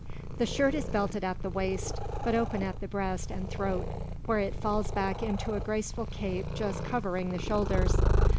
The shirt is belted at the waist, but open at the breast and throat, where it falls back into a graceful cape just covering the shoulders.